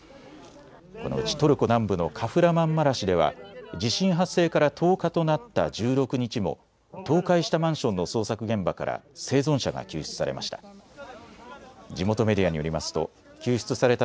このうちトルコ南部のカフラマンマラシュでは地震発生から１０日となった１６日も倒壊したマンションの捜索現場から生存者が救出されました。